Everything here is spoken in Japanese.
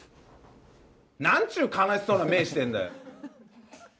なんちゅう悲しそうな目してんだよ！